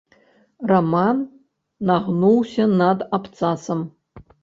Раман нагнуўся над абцасам.